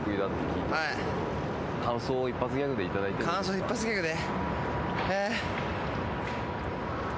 感想を一発ギャグで？